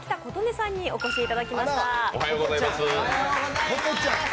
さんにお越しいただきました。